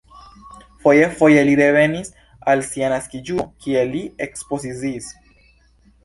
Foje-foje li revenis al sia naskiĝurbo, kie li ekspoziciis.